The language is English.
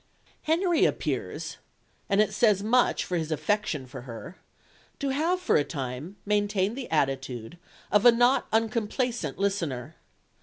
Henry appears and it says much for his affection for her to have for a time maintained the attitude of a not uncomplacent listener.